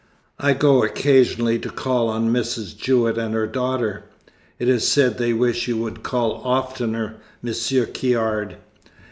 I go occasionally to call on Mrs. Jewett and her daughter." "It is said they wish you would call oftener, Monsieur Caird."